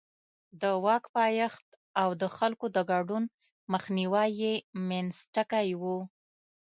د واک پایښت او د خلکو د ګډون مخنیوی یې منځ ټکی و.